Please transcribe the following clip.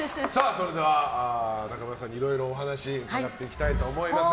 それでは、中村さんにいろいろお話伺っていきたいと思います。